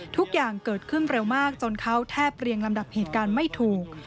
ทุกอย่างเกิดขึ้นเร็วมากจนเขาแทบเรียงลำดับเหตุการณ์ไม่ถูก